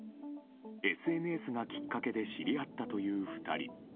ＳＮＳがきっかけで知り合ったという２人。